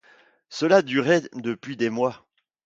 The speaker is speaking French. Cela durait depuis des mois.